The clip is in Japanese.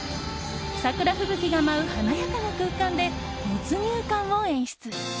桜吹雪が舞う華やかな空間で没入感を演出。